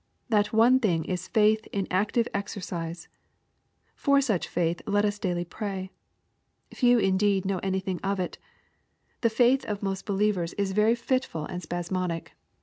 That one thing is faith in active exercise For such faith let us daily pray. Few indeed know anything of it. The faith of most believers is very 140 EXPOSITOUy THOUGHTS. fitful and spasmodic.